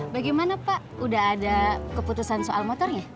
bagaimana pak udah ada keputusan soal motornya